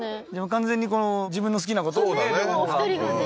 完全に自分の好きなことをね